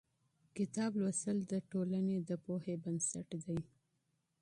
کتاب لوستل د ټولنې د پوهې بنسټ دی.